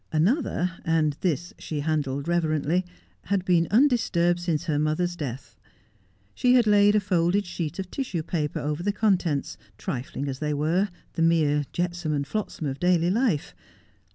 Another, and this she handled reverently, had been undisturbed since her mother's death. She had laid a folded sheet of tissue paper over the contents, trifling as they were, the mere jetsam and flotsam of daily life.